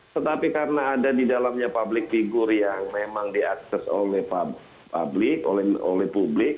tetapi karena ada di dalamnya publik figur yang memang diakses oleh publik